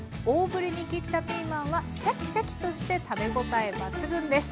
大ぶりに切ったピーマンはシャキシャキとして食べ応え抜群です。